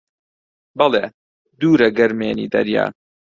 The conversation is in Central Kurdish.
بەڵێ: دوورە گەرمێنی دەریا